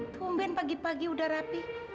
tumben pagi pagi udah rapi